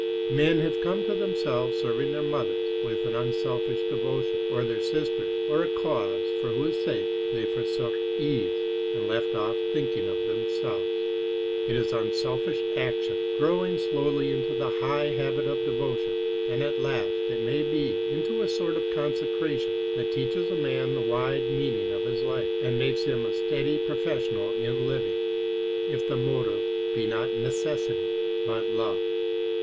Men have come to themselves serving their mothers with an unselfish devotion, or their sisters, or a cause for whose sake they forsook ease and left off thinking of themselves. It is unselfish action, growing slowly into the high habit of devotion, and at last, it may be, into a sort of consecration, that teaches a man the wide meaning of his life, and makes of him a steady professional in living, if the motive be not necessity, but love.